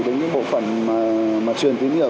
đến những bộ phần mà truyền tín hiệu